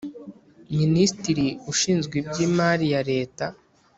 Minisitiri ushinzwe iby’imari ya leta